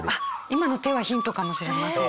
今の手はヒントかもしれません。